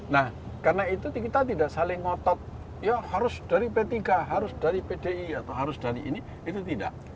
nah karena itu kita tidak saling ngotot ya harus dari p tiga harus dari pdi atau harus dari ini itu tidak